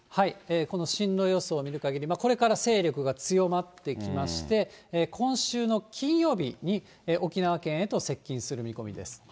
この進路予想見るかぎり、これから勢力が強まってきまして、今週の金曜日に沖縄県へと接近する見込みです。